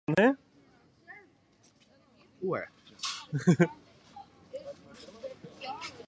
E-mail wiskje.